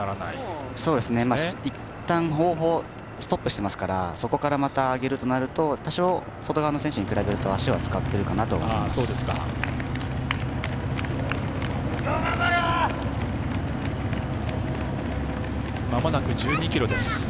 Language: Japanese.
いったんストップしてますからそこからまた上げるとなると多少、外側の選手に比べると足は使ってるかなと思います。